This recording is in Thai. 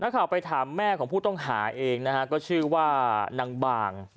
ข่าวไปถามแม่ของผู้ต้องหาเองนะฮะก็ชื่อว่านางบาง